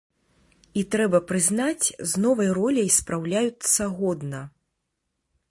І, трэба прызнаць, з новай роляй спраўляюцца годна.